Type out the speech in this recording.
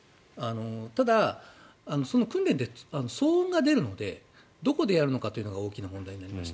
ただ、その訓練で騒音が出るのでどこでやるのかというのが大きな問題になりました。